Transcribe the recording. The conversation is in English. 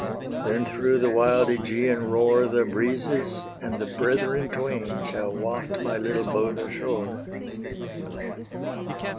Then through the wild Aegean roar The breezes and the Brethren Twain Shall waft my little boat ashore.